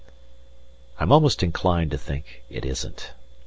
I'm almost inclined to think it isn't.